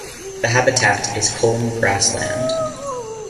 The habitat is culm grassland.